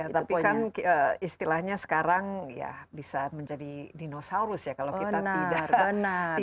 tapi kan istilahnya sekarang ya bisa menjadi dinosaurus ya kalau kita tidak